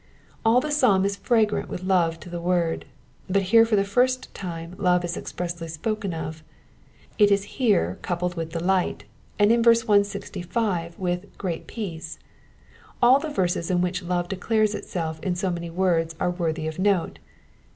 All the psalm is fragrant with love to the word, but here for the first time love is expressly spoken of. It is here coupled with delight, and in Terse 165 with '* great peace." All the verses in which love declares itself in so many words are worthy of note.